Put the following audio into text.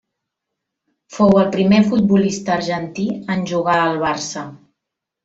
Fou el primer futbolista argentí en jugar al Barça.